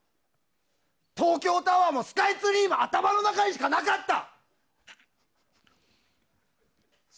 東京タワーもスカイツリーも頭の中にしかなかった。